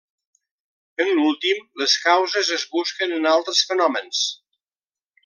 En l'últim, les causes es busquen en altres fenòmens.